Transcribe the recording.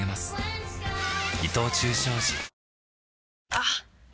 あっ！